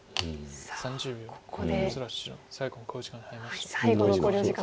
さあここで。